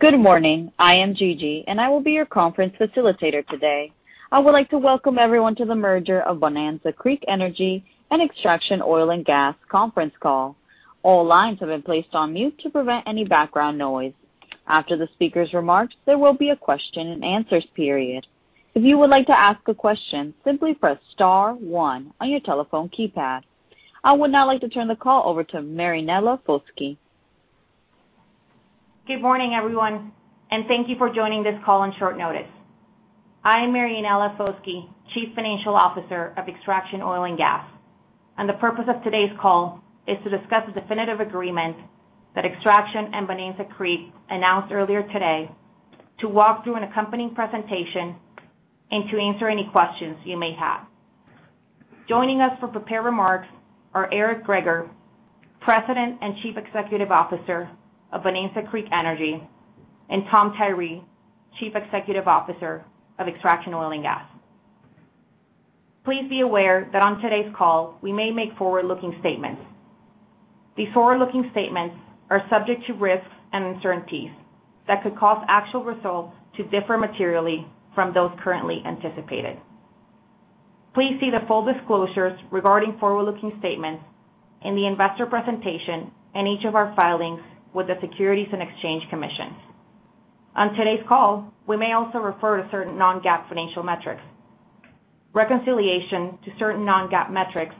Good morning. I am Gigi, and I will be your conference facilitator today. I would like to welcome everyone to the merger of Bonanza Creek Energy and Extraction Oil and Gas conference call. All lines have been placed on mute to prevent any background noise. After the speaker's remarks, there will be a question and answers period. If you would like to ask a question, simply press star one on your telephone keypad. I would now like to turn the call over to Marianella Foschi. Good morning, everyone, and thank you for joining this call on short notice. I am Marianella Foschi, Chief Financial Officer of Extraction Oil & Gas. The purpose of today's call is to discuss the definitive agreement that Extraction and Bonanza Creek announced earlier today, to walk through an accompanying presentation, and to answer any questions you may have. Joining us for prepared remarks are Eric Greager, President and Chief Executive Officer of Bonanza Creek Energy, and Tom Tyree, Chief Executive Officer of Extraction Oil & Gas. Please be aware that on today's call, we may make forward-looking statements. These forward-looking statements are subject to risks and uncertainties that could cause actual results to differ materially from those currently anticipated. Please see the full disclosures regarding forward-looking statements in the investor presentation and each of our filings with the Securities and Exchange Commission. On today's call, we may also refer to certain non-GAAP financial metrics. Reconciliation to certain non-GAAP metrics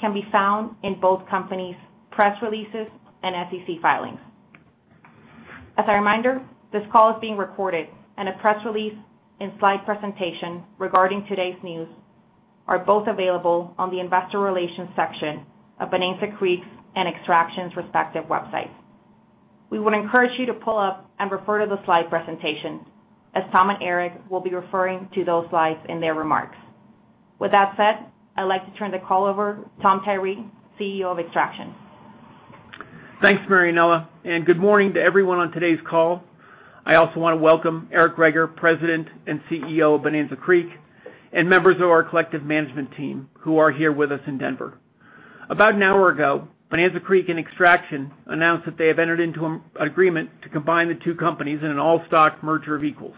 can be found in both companies' press releases and SEC filings. As a reminder, this call is being recorded and a press release and slide presentation regarding today's news are both available on the investor relations section of Bonanza Creek's and Extraction's respective websites. We would encourage you to pull up and refer to the slide presentation, as Tom and Eric will be referring to those slides in their remarks. With that said, I'd like to turn the call over Tom Tyree, CEO of Extraction. Thanks, Marianella Foschi, and good morning to everyone on today's call. I also want to welcome Eric Greager, President and CEO of Bonanza Creek, and members of our collective management team who are here with us in Denver. About an hour ago, Bonanza Creek and Extraction announced that they have entered into an agreement to combine the two companies in an all-stock merger of equals.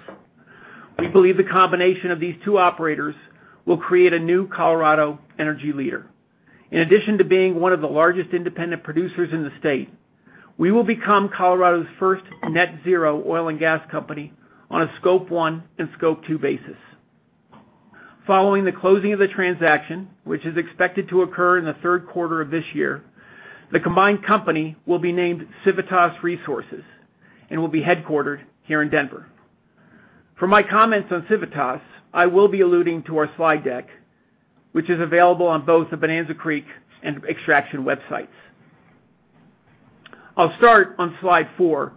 We believe the combination of these two operators will create a new Colorado energy leader. In addition to being one of the largest independent producers in the state, we will become Colorado's first net zero oil and gas company on a Scope One and Scope Two basis. Following the closing of the transaction, which is expected to occur in the third quarter of this year, the combined company will be named Civitas Resources and will be headquartered here in Denver. For my comments on Civitas, I will be alluding to our slide deck, which is available on both the Bonanza Creek and Extraction websites. I'll start on slide four.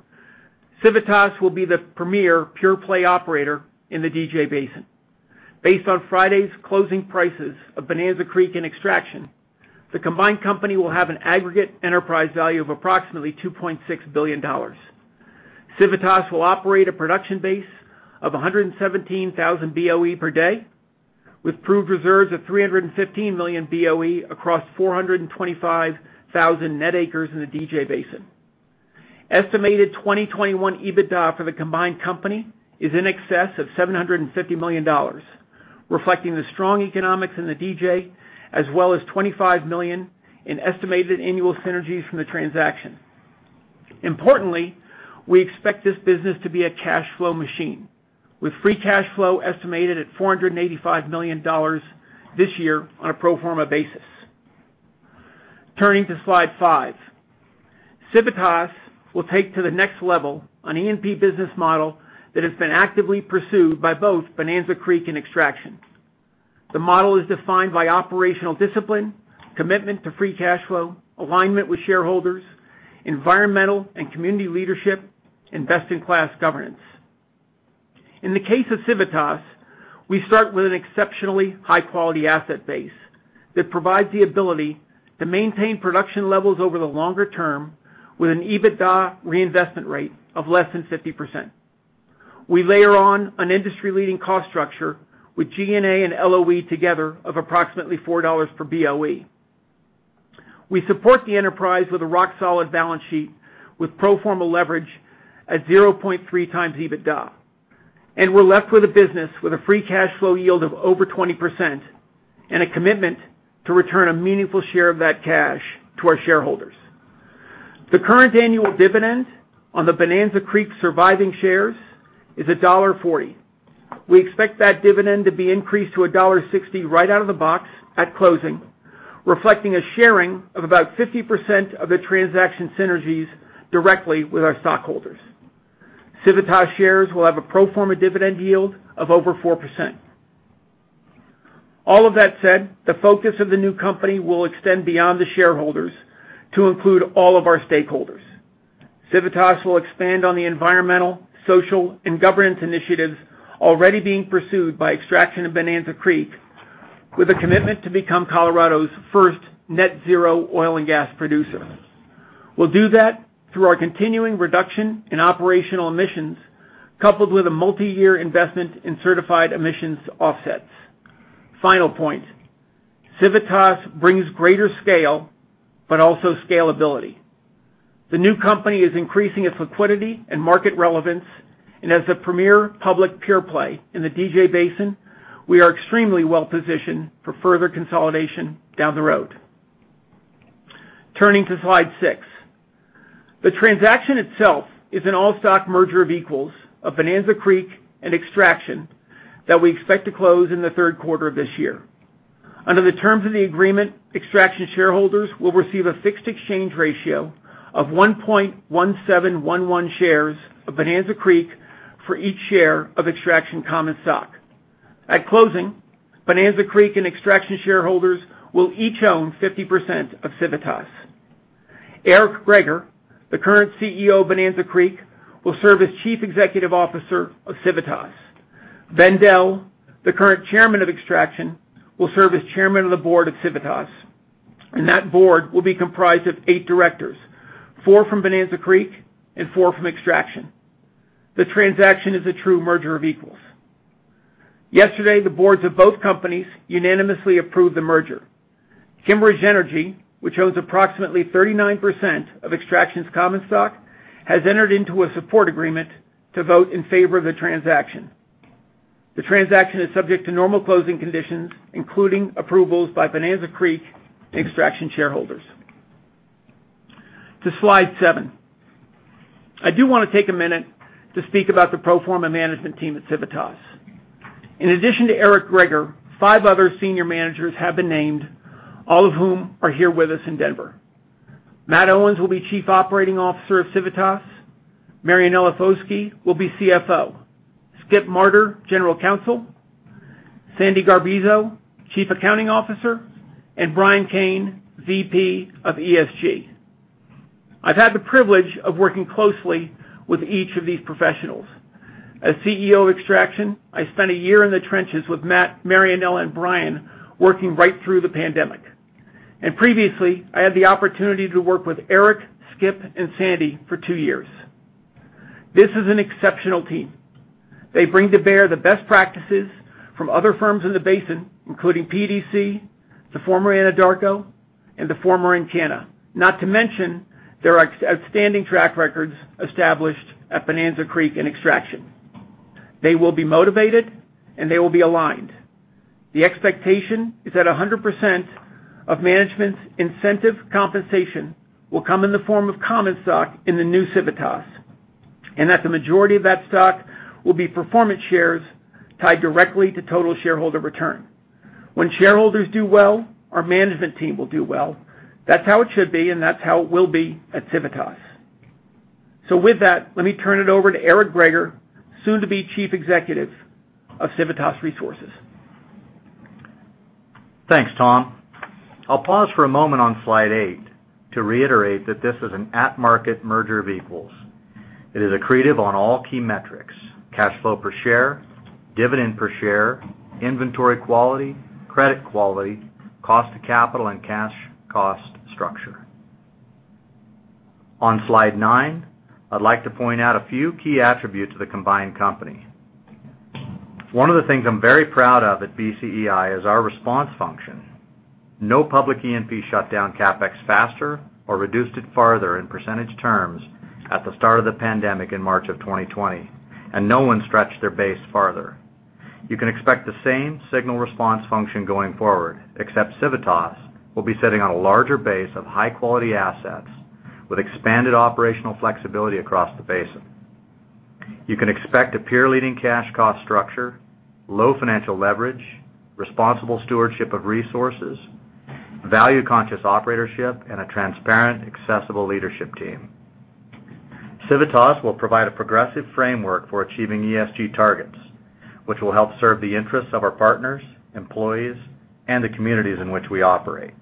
Civitas will be the premier pure-play operator in the DJ Basin. Based on Friday's closing prices of Bonanza Creek and Extraction, the combined company will have an aggregate enterprise value of approximately $2.6 billion. Civitas will operate a production base of 117,000 BOE per day with proved reserves of 315 million BOE across 425,000 net acres in the DJ Basin. Estimated 2021 EBITDA for the combined company is in excess of $750 million, reflecting the strong economics in the DJ, as well as $25 million in estimated annual synergies from the transaction. Importantly, we expect this business to be a cash flow machine, with free cash flow estimated at $485 million this year on a pro forma basis. Turning to slide five. Civitas will take to the next level an E&P business model that has been actively pursued by both Bonanza Creek and Extraction. The model is defined by operational discipline, commitment to free cash flow, alignment with shareholders, environmental and community leadership, and best-in-class governance. In the case of Civitas, we start with an exceptionally high-quality asset base that provides the ability to maintain production levels over the longer term with an EBITDA reinvestment rate of less than 50%. We layer on an industry-leading cost structure with G&A and LOE together of approximately $4 per BOE. We support the enterprise with a rock-solid balance sheet with pro forma leverage at 0.3 times EBITDA. We're left with a business with a free cash flow yield of over 20% and a commitment to return a meaningful share of that cash to our shareholders. The current annual dividend on the Bonanza Creek surviving shares is $1.40. We expect that dividend to be increased to $1.60 right out of the box at closing, reflecting a sharing of about 50% of the transaction synergies directly with our stockholders. Civitas shares will have a pro forma dividend yield of over 4%. All of that said, the focus of the new company will extend beyond the shareholders to include all of our stakeholders. Civitas will expand on the environmental, social, and governance initiatives already being pursued by Extraction and Bonanza Creek with a commitment to become Colorado's first net zero oil and gas producer. We'll do that through our continuing reduction in operational emissions, coupled with a multi-year investment in certified emissions offsets. Final point. Civitas brings greater scale, but also scalability. The new company is increasing its liquidity and market relevance. As the premier public pure-play in the DJ Basin, we are extremely well-positioned for further consolidation down the road. Turning to slide six. The transaction itself is an all-stock merger of equals of Bonanza Creek and Extraction that we expect to close in the third quarter of this year. Under the terms of the agreement, Extraction shareholders will receive a fixed exchange ratio of 1.1711 shares of Bonanza Creek for each share of Extraction common stock. At closing, Bonanza Creek and Extraction shareholders will each own 50% of Civitas. Eric Greager, the current CEO of Bonanza Creek, will serve as Chief Executive Officer of Civitas. Ben Dell, the current Chairman of Extraction, will serve as Chairman of the Board at Civitas. That board will be comprised of eight directors, four from Bonanza Creek and four from Extraction. The transaction is a true merger of equals. Yesterday, the boards of both companies unanimously approved the merger. Kimmeridge Energy, which owns approximately 39% of Extraction's common stock, has entered into a support agreement to vote in favor of the transaction. The transaction is subject to normal closing conditions, including approvals by Bonanza Creek and Extraction shareholders. To slide seven. I do want to take a minute to speak about the pro forma management team at Civitas. In addition to Eric Greager, five other senior managers have been named, all of whom are here with us in Denver. Matt Owens will be Chief Operating Officer of Civitas. Marianella Foschi will be CFO. Cyrus D. Marter IV, General Counsel. Sandi Garbiso, Chief Accounting Officer, and Brian Cain, VP of ESG. I've had the privilege of working closely with each of these professionals. As CEO of Extraction, I spent a year in the trenches with Matt, Marianella, and Brian, working right through the pandemic. Previously, I had the opportunity to work with Eric, Skip, and Sandy for two years. This is an exceptional team. They bring to bear the best practices from other firms in the basin, including PDC, the former Anadarko, and the former Encana. Not to mention, their outstanding track records established at Bonanza Creek and Extraction. They will be motivated, and they will be aligned. The expectation is that 100% of management's incentive compensation will come in the form of common stock in the new Civitas, and that the majority of that stock will be performance shares tied directly to total shareholder return. When shareholders do well, our management team will do well. That's how it should be, and that's how it will be at Civitas. With that, let me turn it over to Eric Greager, soon to be Chief Executive of Civitas Resources. Thanks, Tom. I'll pause for a moment on slide eight to reiterate that this is an at-market merger of equals. It is accretive on all key metrics, cash flow per share, dividend per share, inventory quality, credit quality, cost of capital, and cash cost structure. On slide nine, I'd like to point out a few key attributes of the combined company. One of the things I'm very proud of at BCEI is our response function. No public E&P shut down CapEx faster or reduced it farther in percentage terms at the start of the pandemic in March of 2020, and no one stretched their base farther. You can expect the same signal response function going forward, except Civitas will be sitting on a larger base of high-quality assets with expanded operational flexibility across the basin. You can expect a peer-leading cash cost structure, low financial leverage, responsible stewardship of resources, value-conscious operatorship, and a transparent, accessible leadership team. Civitas will provide a progressive framework for achieving ESG targets, which will help serve the interests of our partners, employees, and the communities in which we operate.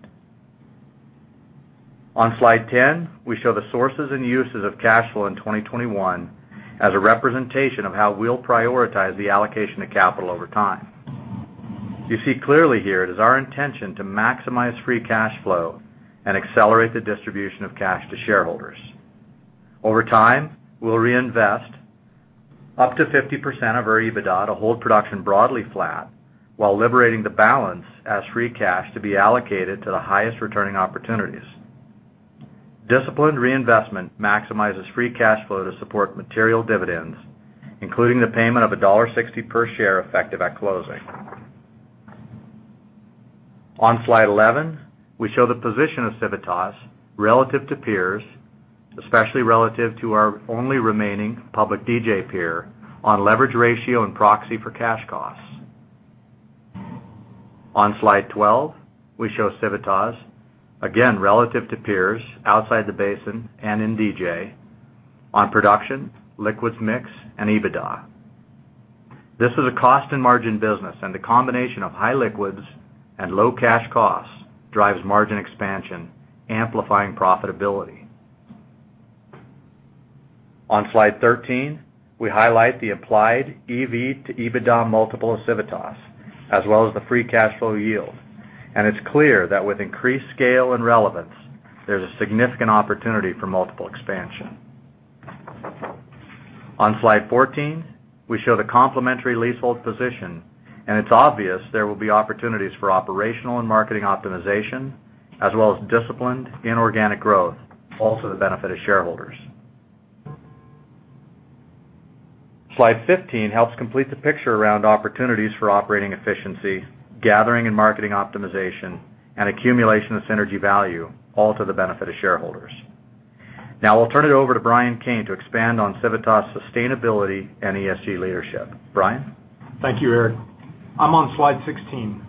On slide 10, we show the sources and uses of cash flow in 2021 as a representation of how we'll prioritize the allocation of capital over time. You see clearly here it is our intention to maximize free cash flow and accelerate the distribution of cash to shareholders. Over time, we'll reinvest up to 50% of our EBITDA to hold production broadly flat while liberating the balance as free cash to be allocated to the highest returning opportunities. Disciplined reinvestment maximizes free cash flow to support material dividends, including the payment of $1.60 per share effective at closing. On slide 11, we show the position of Civitas relative to peers, especially relative to our only remaining public DJ peer, on leverage ratio and proxy for cash costs. On slide 12, we show Civitas, again, relative to peers outside the basin and in DJ, on production, liquids mix, and EBITDA. This is a cost and margin business, and the combination of high liquids and low cash costs drives margin expansion, amplifying profitability. On slide 13, we highlight the applied EV to EBITDA multiple of Civitas, as well as the free cash flow yield. It's clear that with increased scale and relevance, there's a significant opportunity for multiple expansion. On slide 14, we show the complementary leasehold position, and it's obvious there will be opportunities for operational and marketing optimization as well as disciplined inorganic growth, also the benefit of shareholders. Slide 15 helps complete the picture around opportunities for operating efficiency, gathering and marketing optimization, and accumulation of synergy value, all to the benefit of shareholders. I'll turn it over to Brian Cain to expand on Civitas sustainability and ESG leadership. Brian? Thank you, Eric. I'm on slide 16.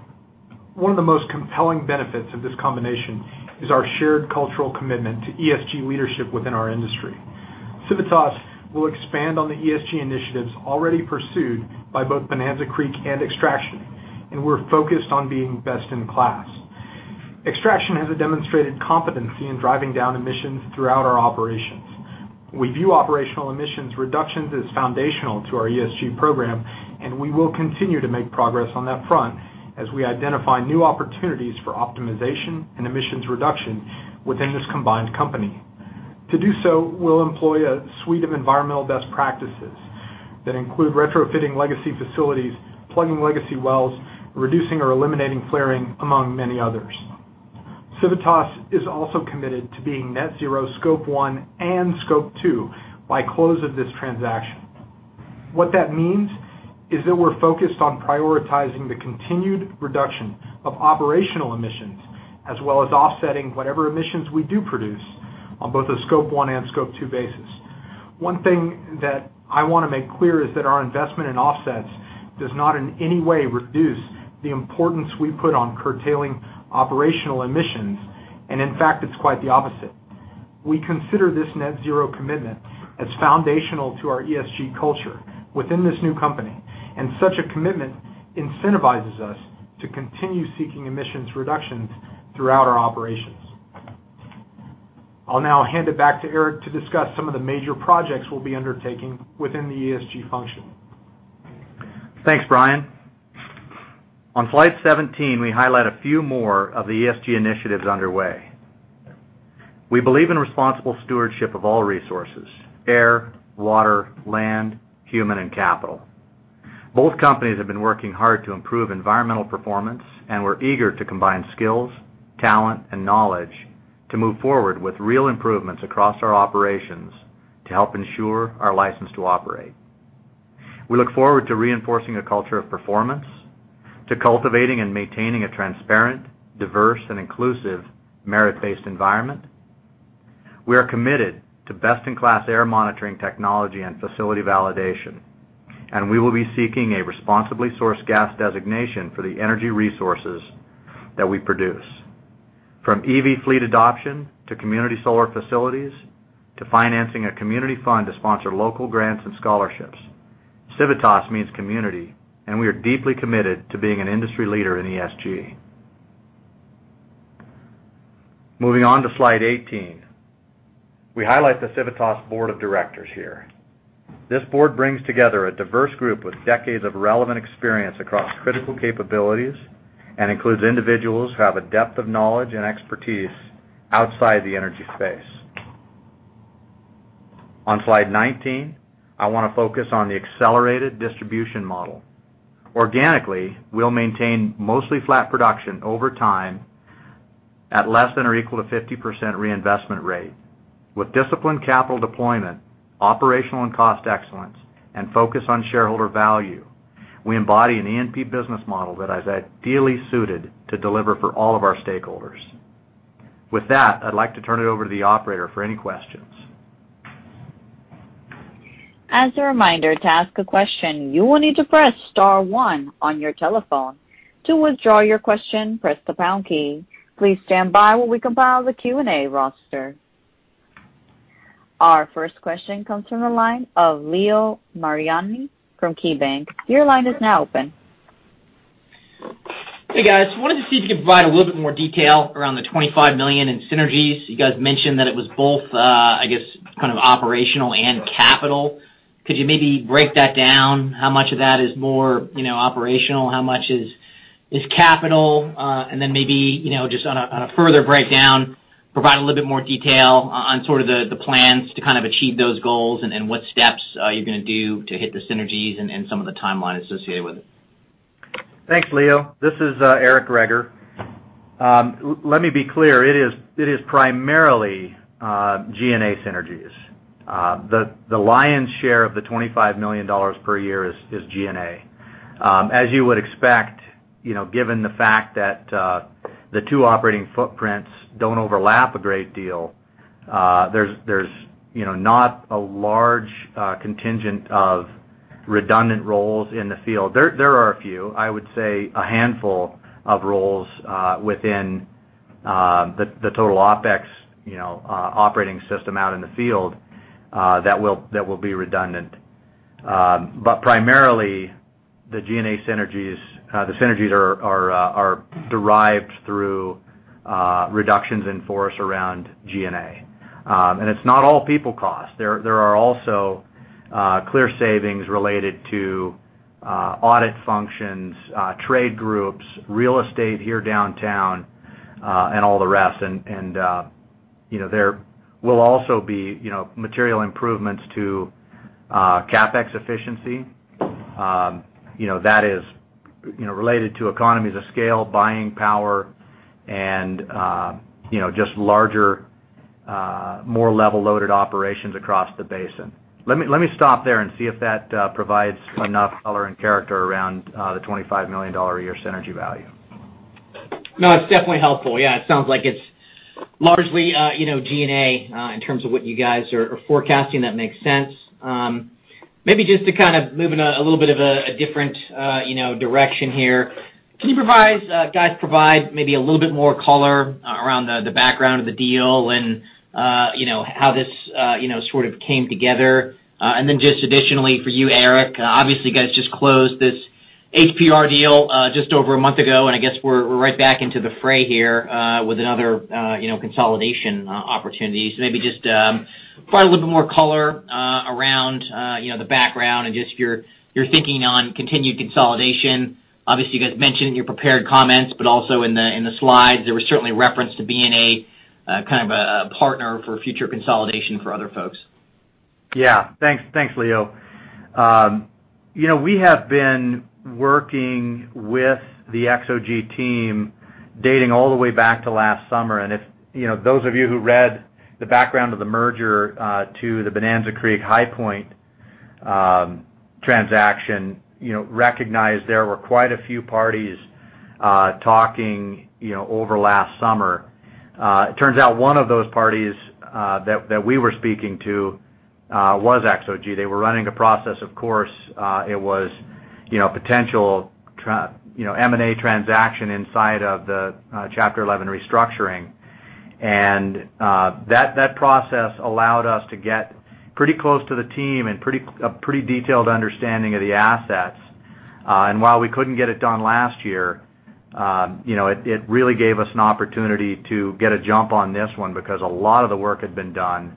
One of the most compelling benefits of this combination is our shared cultural commitment to ESG leadership within our industry. Civitas will expand on the ESG initiatives already pursued by both Bonanza Creek and Extraction, and we're focused on being best in class. Extraction has a demonstrated competency in driving down emissions throughout our operations. We view operational emissions reductions as foundational to our ESG program, and we will continue to make progress on that front as we identify new opportunities for optimization and emissions reduction within this combined company. To do so, we'll employ a suite of environmental best practices that include retrofitting legacy facilities, plugging legacy wells, reducing or eliminating flaring, among many others. Civitas is also committed to being net zero Scope One and Scope Two by close of this transaction. What that means is that we're focused on prioritizing the continued reduction of operational emissions, as well as offsetting whatever emissions we do produce on both a Scope One and Scope Two basis. In fact, it's quite the opposite. We consider this net zero commitment as foundational to our ESG culture within this new company. Such a commitment incentivizes us to continue seeking emissions reductions throughout our operations. I'll now hand it back to Eric to discuss some of the major projects we'll be undertaking within the ESG function. Thanks, Brian. On slide 17, we highlight a few more of the ESG initiatives underway. We believe in responsible stewardship of all resources: air, water, land, human, and capital. Both companies have been working hard to improve environmental performance, and we're eager to combine skills, talent, and knowledge to move forward with real improvements across our operations to help ensure our license to operate. We look forward to reinforcing a culture of performance, to cultivating and maintaining a transparent, diverse, and inclusive merit-based environment. We are committed to best-in-class air monitoring technology and facility validation, and we will be seeking a responsibly sourced gas designation for the energy resources that we produce. From EV fleet adoption to community solar facilities to financing a community fund to sponsor local grants and scholarships, Civitas means community, and we are deeply committed to being an industry leader in ESG. Moving on to slide 18. We highlight the Civitas board of directors here. This board brings together a diverse group with decades of relevant experience across critical capabilities and includes individuals who have a depth of knowledge and expertise outside the energy space. On slide 19, I want to focus on the accelerated distribution model. Organically, we'll maintain mostly flat production over time at less than or equal to 50% reinvestment rate. With disciplined capital deployment, operational and cost excellence, and focus on shareholder value, we embody an E&P business model that is ideally suited to deliver for all of our stakeholders. With that, I'd like to turn it over to the operator for any questions. As a reminder, to ask a question, you will need to press star one on your telephone. To withdraw your question, press the pound key. Please stand by while we compile the Q&A roster. Our first question comes from the line of Leo Mariani from KeyBanc. Your line is now open. Hey, guys. Wanted to see if you could provide a little bit more detail around the $25 million in synergies. You guys mentioned that it was both, I guess, kind of operational and capital. Could you maybe break that down? How much of that is more operational? How much is capital? Then maybe, just on a further breakdown, provide a little bit more detail on sort of the plans to kind of achieve those goals and what steps you're going to do to hit the synergies and some of the timelines associated with it. Thanks, Leo. This is Eric Greager. Let me be clear. It is primarily G&A synergies. The Lion's share of the $25 million per year is G&A. As you would expect, given the fact that the two operating footprints don't overlap a great deal, there's not a large contingent of redundant roles in the field. There are a few, I would say a handful of roles, within the total OpEx operating system out in the field that will be redundant. Primarily, the synergies are derived through reductions in force around G&A. It's not all people costs. There are also clear savings related to audit functions, trade groups, real estate here downtown and all the rest. There will also be material improvements to CapEx efficiency. That is related to economies of scale, buying power and just larger, more level-loaded operations across the basin. Let me stop there and see if that provides enough color and character around the $25 million a year synergy value. No, it's definitely helpful. Yeah. It sounds like it's largely G&A in terms of what you guys are forecasting. That makes sense. Maybe just to kind of move in a little bit of a different direction here, can you guys provide maybe a little bit more color around the background of the deal and how this sort of came together? Just additionally for you, Eric, obviously, you guys just closed this HighPoint Resources deal just over a month ago, I guess we're right back into the fray here with another consolidation opportunity. Maybe just provide a little bit more color around the background and just your thinking on continued consolidation. Obviously, you guys mentioned in your prepared comments, also in the slides, there was certainly reference to being a kind of a partner for future consolidation for other folks. Thanks, Leo. We have been working with the XOG team dating all the way back to last summer. If those of you who read the background of the merger to the Bonanza Creek HighPoint transaction recognize there were quite a few parties talking over last summer. It turns out one of those parties that we were speaking to was XOG. They were running a process, of course. It was you know, potential M&A transaction inside of the Chapter 11 restructuring. That process allowed us to get pretty close to the team and a pretty detailed understanding of the assets. While we couldn't get it done last year, it really gave us an opportunity to get a jump on this one because a lot of the work had been done,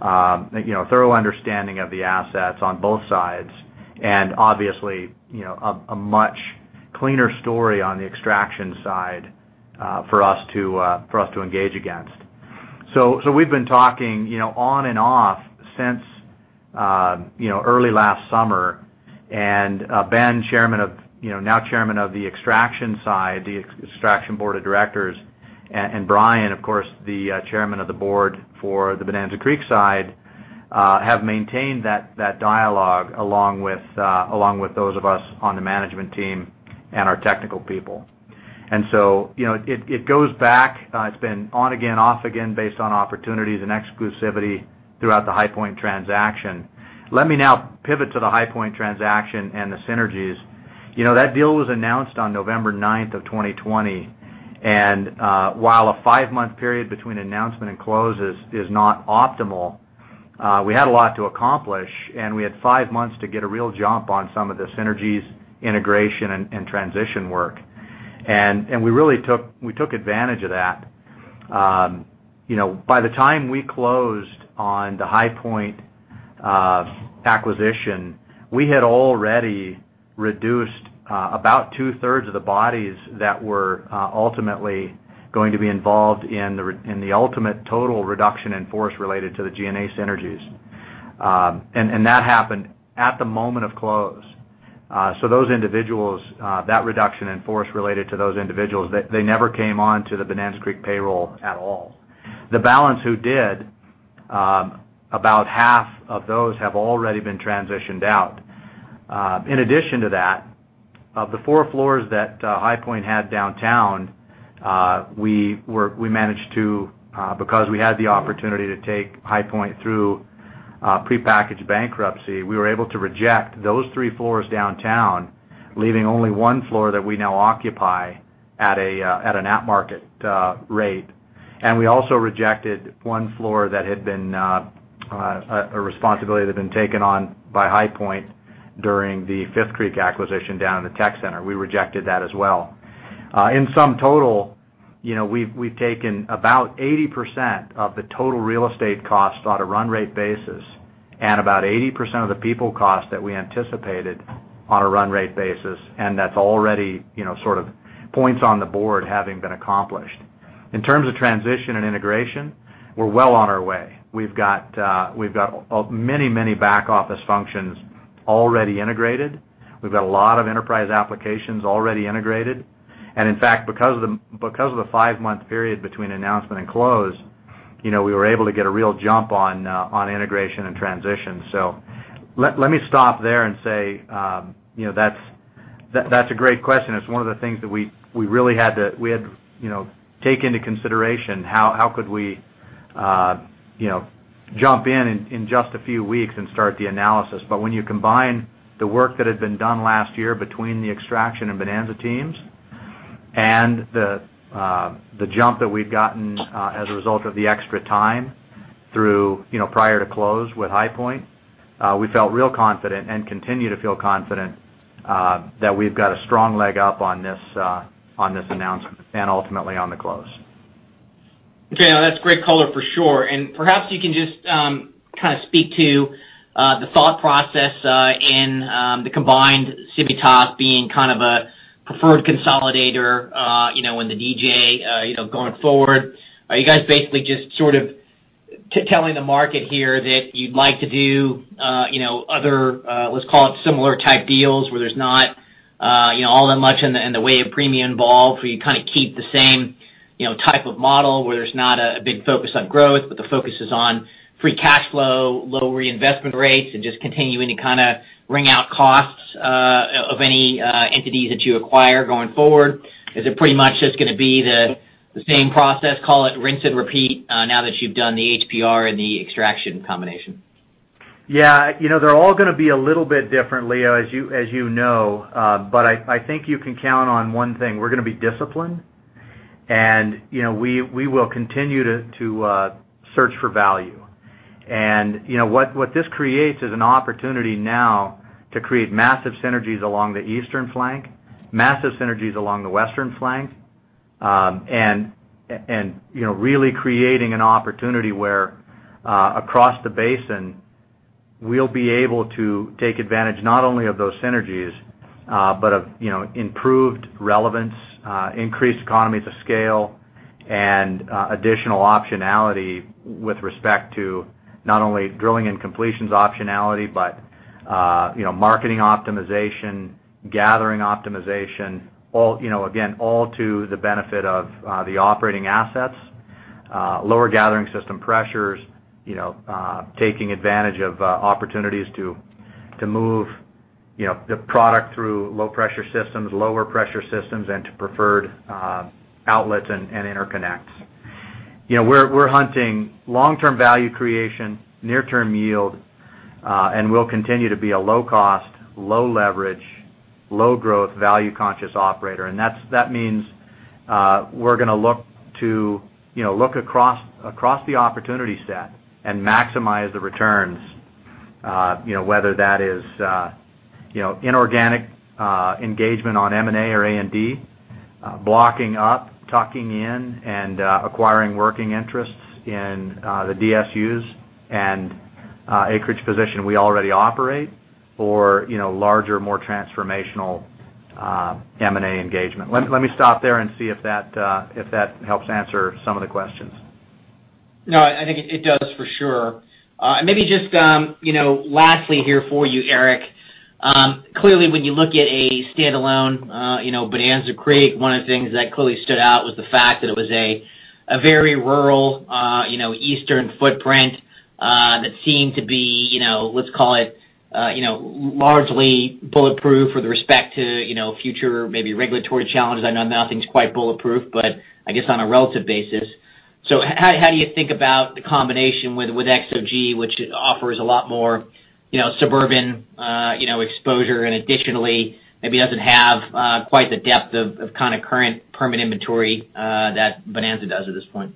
thorough understanding of the assets on both sides, and obviously, a much cleaner story on the Extraction side for us to engage against. So, we've been talking on and off since early last summer. Ben, now Chairman of the Extraction side, the Extraction Board of Directors, and Brian, of course, the Chairman of the board for the Bonanza Creek side, have maintained that dialogue along with those of us on the management team and our technical people. It goes back, it's been on again, off again, based on opportunities and exclusivity throughout the HighPoint transaction. Let me now pivot to the HighPoint transaction and the synergies. That deal was announced on November 9th of 2020. While a five-month period between announcement and close is not optimal, we had a lot to accomplish, and we had five months to get a real jump on some of the synergies, integration, and transition work. We really took advantage of that. You know, by the time we closed on the HighPoint acquisition, we had already reduced about 2/3 of the bodies that were ultimately going to be involved in the ultimate total reduction in force related to the G&A synergies. That happened at the moment of close. That reduction in force related to those individuals, they never came on to the Bonanza Creek payroll at all. The balance who did, about half of those have already been transitioned out. In addition to that, of the four floors that HighPoint had downtown, because we had the opportunity to take HighPoint through prepackaged bankruptcy, we were able to reject those three floors downtown, leaving only one floor that we now occupy at an at-market rate. We also rejected one floor that had been a responsibility that had been taken on by HighPoint during the Fifth Creek acquisition down in the tech center. We rejected that as well. In sum total, we've taken about 80% of the total real estate cost on a run rate basis and about 80% of the people cost that we anticipated on a run rate basis, and that's already sort of points on the board having been accomplished. In terms of transition and integration, we're well on our way. We've got many back office functions already integrated. We've got a lot of enterprise applications already integrated. In fact, because of the five-month period between announcement and close, we were able to get a real jump on integration and transition. So, let me stop there and say that's a great question. It's one of the things that we had to take into consideration, how could we jump in in just a few weeks and start the analysis. When you combine the work that had been done last year between the Extraction and Bonanza teams and the jump that we'd gotten as a result of the extra time prior to close with HighPoint, we felt real confident and continue to feel confident that we've got a strong leg up on this announcement and ultimately on the close. Okay. Now that's great color for sure. Perhaps you can just kind of speak to the thought process in the combined Civitas being kind of a preferred consolidator in the DJ going forward. Are you guys basically just sort of telling the market here that you'd like to do other, let's call it similar type deals where there's not all that much in the way of premium involved, where you kind of keep the same type of model, where there's not a big focus on growth, but the focus is on free cash flow, low reinvestment rates, and just continuing to kind of wring out costs of any entities that you acquire going forward? Is it pretty much just going to be the same process, call it rinse and repeat, now that you've done the HPR and the Extraction combination? Yeah. They're all going to be a little bit different, Leo, as you know. But I think you can count on one thing. We're going to be disciplined, and we will continue to search for value. What this creates is an opportunity now to create massive synergies along the eastern flank, massive synergies along the western flank. Really creating an opportunity where across the basin, we'll be able to take advantage not only of those synergies, but of improved relevance, increased economies of scale, and additional optionality with respect to not only drilling and completions optionality, but marketing optimization, gathering optimization. Again, all to the benefit of the operating assets. Lower gathering system pressures, you know, taking advantage of opportunities to move the product through low pressure systems, and to preferred outlets and interconnects. We're hunting long-term value creation, near-term yield. We'll continue to be a low cost, low leverage, low growth, value conscious operator. That means we're going to look across the opportunity set and maximize the returns, whether that is inorganic engagement on M&A or A&D, blocking up, tucking in, and acquiring working interests in the DSUs and acreage position we already operate, or larger, more transformational M&A engagement. Let me stop there and see if that helps answer some of the questions. No, I think it does for sure. Maybe just lastly here for you, Eric. Clearly, when you look at a standalone Bonanza Creek, one of the things that clearly stood out was the fact that it was a very rural eastern footprint that seemed to be, let's call it largely bulletproof with respect to future maybe regulatory challenges. I know nothing's quite bulletproof, but I guess on a relative basis. So how do you think about the combination with XOG, which offers a lot more suburban exposure and additionally maybe doesn't have quite the depth of kind of current permit inventory that Bonanza does at this point?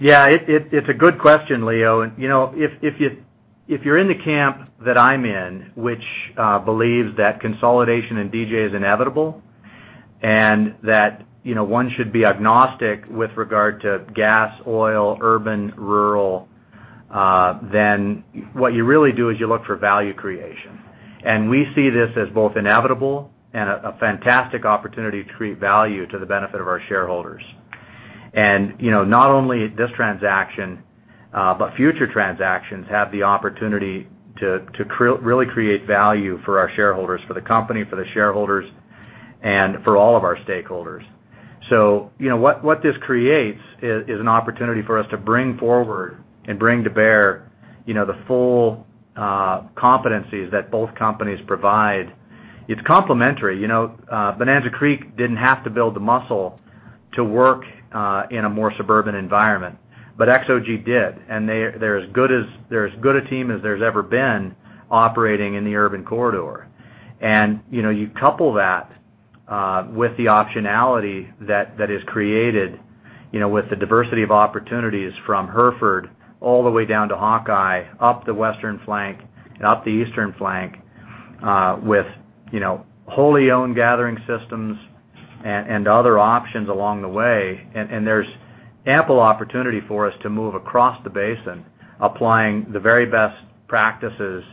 Yeah. It's a good question, Leo. If you're in the camp that I'm in, which believes that consolidation in DJ is inevitable and that one should be agnostic with regard to gas, oil, urban, rural, what you really do is you look for value creation. We see this as both inevitable and a fantastic opportunity to create value to the benefit of our shareholders. Not only this transaction, but future transactions have the opportunity to really create value for our shareholders, for the company, for the shareholders, and for all of our stakeholders. So what this creates is an opportunity for us to bring forward and bring to bear the full competencies that both companies provide. It's complementary. Bonanza Creek didn't have to build the muscle to work in a more suburban environment. But XOG did, they're as good a team as there's ever been operating in the urban corridor. You couple that with the optionality that is created with the diversity of opportunities from Hereford all the way down to Hawkeye, up the western flank and up the eastern flank, with wholly owned gathering systems and other options along the way. There's ample opportunity for us to move across the basin, applying the very best practices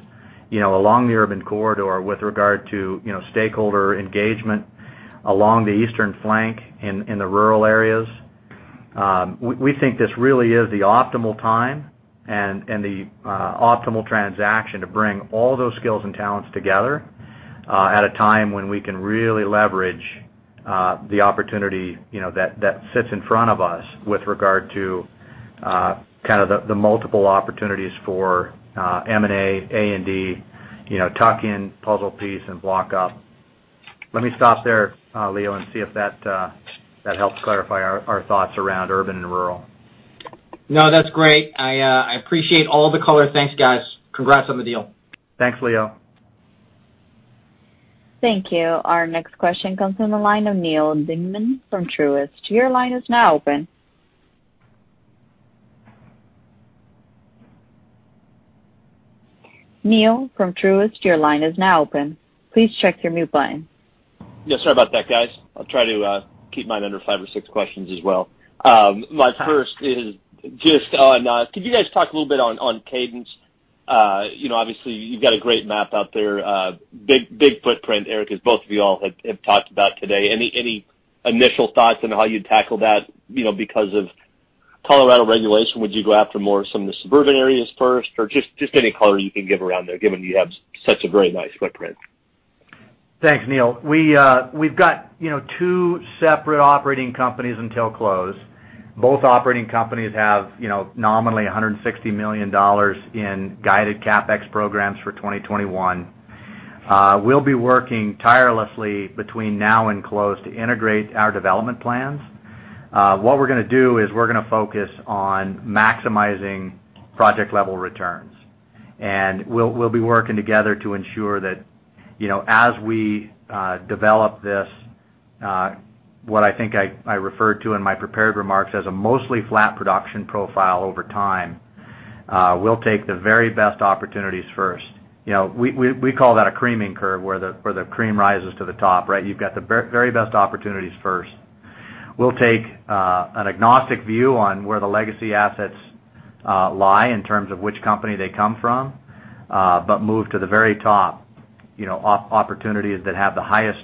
along the urban corridor with regard to stakeholder engagement along the eastern flank in the rural areas. We think this really is the optimal time and the optimal transaction to bring all those skills and talents together at a time when we can really leverage the opportunity that sits in front of us with regard to kind of the multiple opportunities for M&A and A&D, tuck in, puzzle piece, and block up. Let me stop there, Leo, and see if that helps clarify our thoughts around urban and rural. No, that's great. I appreciate all the color. Thanks, guys. Congrats on the deal. Thanks, Leo. Thank you. Our next question comes from the line of Neal Dingmann from Truist. Your line is now open. Please check your mute button. Yeah. Sorry about that, guys. I'll try to keep mine under five or six questions as well. Okay. My first is just on, could you guys talk a little bit on cadence? Obviously you've got a great map out there. Big footprint, Eric, as both of y'all have talked about today. Any initial thoughts on how you'd tackle that because of Colorado regulation? Would you go after more of some of the suburban areas first? Just any color you can give around there, given you have such a very nice footprint. Thanks, Neal. We've got two separate operating companies until close. Both operating companies have nominally $160 million in guided CapEx programs for 2021. We'll be working tirelessly between now and close to integrate our development plans. What we're going to do is we're going to focus on maximizing project-level returns, and we'll be working together to ensure that as we develop this, what I think I referred to in my prepared remarks as a mostly flat production profile over time, we'll take the very best opportunities first. We call that a creaming curve, where the cream rises to the top, right? You've got the very best opportunities first. We'll take an agnostic view on where the legacy assets lie in terms of which company they come from, move to the very top opportunities that have the highest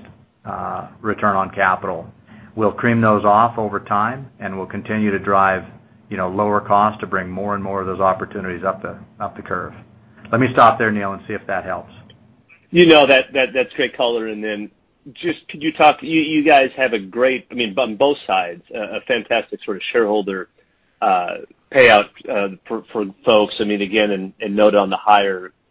return on capital. We'll cream those off over time, and we'll continue to drive lower cost to bring more and more of those opportunities up the curve. Let me stop there, Neal, and see if that helps. That's great color. Then, just could you talk, you guys have a great, on both sides, a fantastic sort of shareholder payout for folks. Again, note on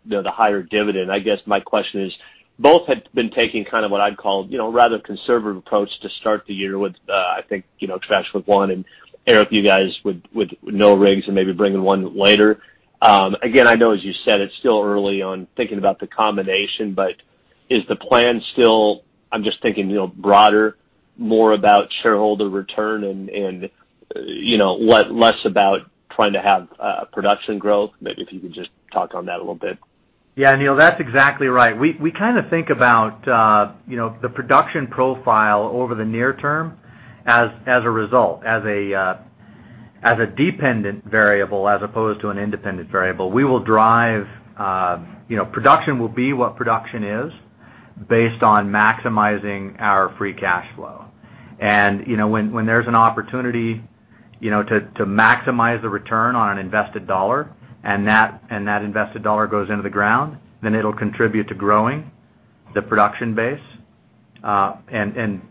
the higher dividend. I guess my question is, both had been taking kind of what I'd call rather conservative approach to start the year with, I think, Trash with one, and Eric, you guys with no rigs and maybe bringing one later. I know as you said, it's still early on thinking about the combination, but is the plan still, I'm just thinking broader, more about shareholder return and less about trying to have production growth? Maybe if you could just talk on that a little bit. Yeah, Neal, that's exactly right. We kind of think about the production profile over the near term as a result, as a dependent variable as opposed to an independent variable. We will drive. Production will be what production is based on maximizing our free cash flow. When there's an opportunity to maximize the return on an invested dollar and that invested dollar goes into the ground, then it'll contribute to growing the production base. Then,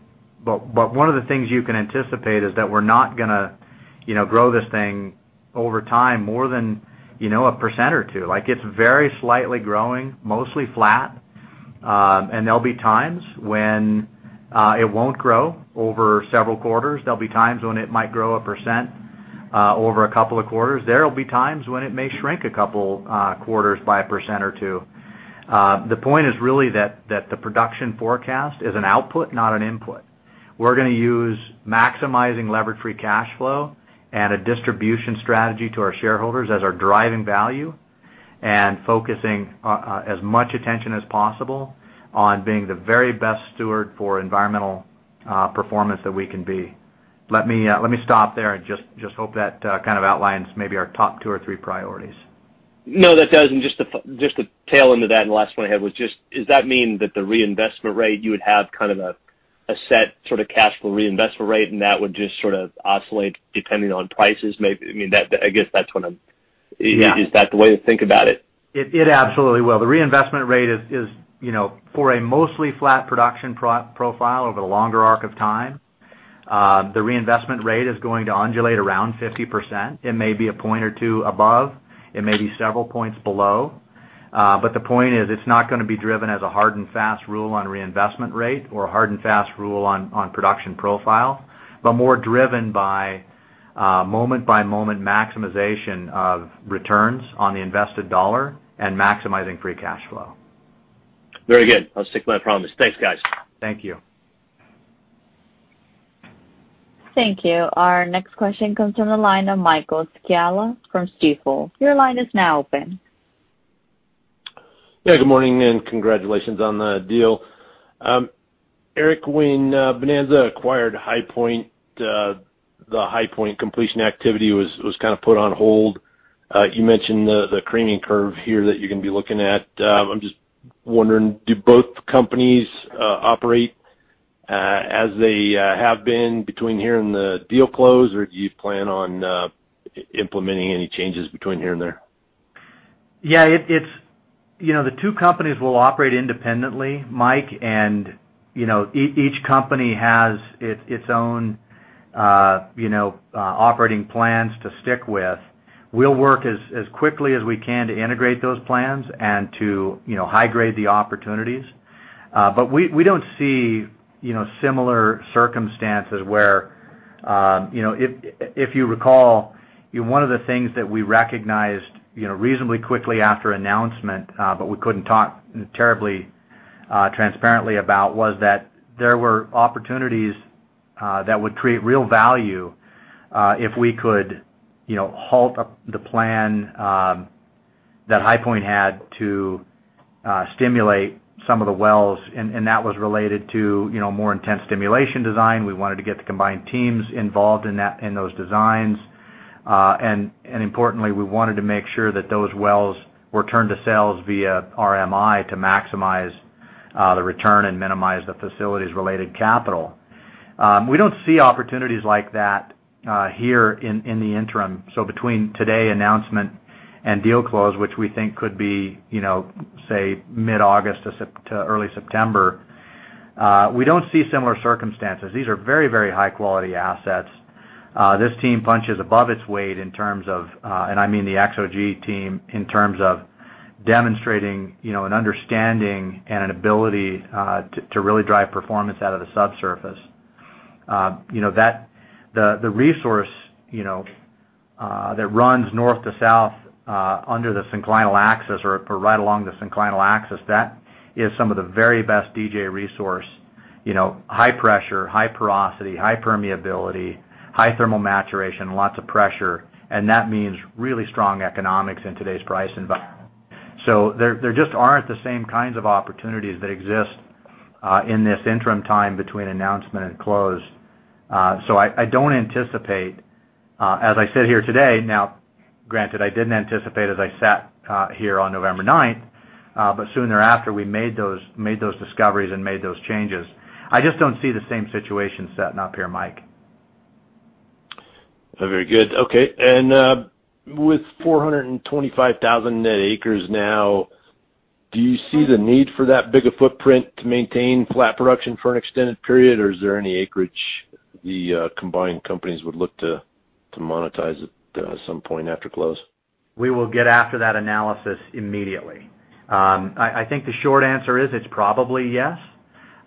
one of the things you can anticipate is that we're not going to grow this thing over time more than a 1% or 2%. Like it's very slightly growing, mostly flat. There'll be times when it won't grow over several quarters. There'll be times when it might grow a percent over a couple of quarters. There will be times when it may shrink a couple quarters by a 1% or 2%. The point is really that the production forecast is an output, not an input. We're going to use maximizing levered free cash flow and a distribution strategy to our shareholders as our driving value, and focusing as much attention as possible on being the very best steward for environmental performance that we can be. Let me stop there and just hope that kind of outlines maybe our top two or three priorities. No, that does. Just to tail into that, the last one I had was, does that mean that the reinvestment rate, you would have kind of a set sort of cash flow reinvestment rate, and that would just sort of oscillate depending on prices maybe? Yeah. Is that the way to think about it? It absolutely will. The reinvestment rate is for a mostly flat production profile over the longer arc of time. The reinvestment rate is going to undulate around 50%. It may be a point or two above. It may be several points below. The point is it's not going to be driven as a hard and fast rule on reinvestment rate or a hard and fast rule on production profile, but more driven by moment by moment maximization of returns on the invested dollar and maximizing free cash flow. Very good. I'll stick to my promise. Thanks, guys. Thank you. Thank you. Our next question comes from the line of Michael Scialla from Stifel. Your line is now open. Yeah, good morning, and congratulations on the deal. Eric, when Bonanza acquired HighPoint, the HighPoint completion activity was kind of put on hold. You mentioned the creaming curve here that you're going to be looking at. I'm just wondering, do both companies operate as they have been between here and the deal close, or do you plan on implementing any changes between here and there? Yeah. The two companies will operate independently, Mike. Each company has its own operating plans to stick with. We'll work as quickly as we can to integrate those plans and to high grade the opportunities. We don't see similar circumstances where. If you recall, one of the things that we recognized reasonably quickly after announcement, but we couldn't talk terribly transparently about, was that there were opportunities that would create real value if we could halt the plan that HighPoint had to stimulate some of the wells, and that was related to more intense stimulation design. We wanted to get the combined teams involved in those designs. Importantly, we wanted to make sure that those wells were turned to sales via RMI to maximize the return and minimize the facilities-related capital. We don't see opportunities like that here in the interim. Between today announcement and deal close, which we think could be, say mid-August to early September, we don't see similar circumstances. These are very high quality assets. This team punches above its weight in terms of, and I mean the XOG team, in terms of demonstrating an understanding and an ability to really drive performance out of the subsurface. The resource that runs north to south under the synclinal axis or right along the synclinal axis, that is some of the very best DJ resource high pressure, high porosity, high permeability, high thermal maturation, lots of pressure, and that means really strong economics in today's price environment. So, there just aren't the same kinds of opportunities that exist in this interim time between announcement and close. I don't anticipate, as I sit here today, now granted, I didn't anticipate as I sat here on November 9th, but soon thereafter, we made those discoveries and made those changes. I just don't see the same situation setting up here, Mike. Very good. Okay. With 425,000 net acres now, do you see the need for that big a footprint to maintain flat production for an extended period, or is there any acreage the combined companies would look to monetize at some point after close? We will get after that analysis immediately. I think the short answer is it's probably yes.